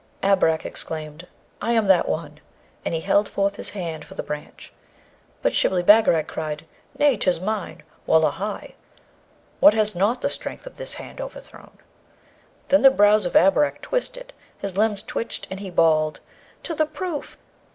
Abarak exclaimed, 'I am that one'; and he held forth his hand for the branch. But Shibli Bagarag cried, 'Nay, 'tis mine. Wullahy, what has not the strength of this hand overthrown?' Then the brows of Abarak twisted; his limbs twitched, and he bawled, 'To the proof!'